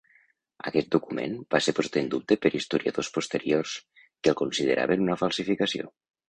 Aquest document va ser posat en dubte per historiadors posteriors, que el consideraven una falsificació.